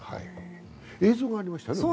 映像がありましたね。